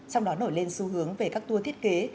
trong đó nổi lên xu hướng về các tour thiết kế